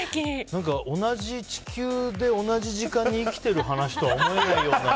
何か、同じ地球で同じ時間に生きてる話とは思えないような。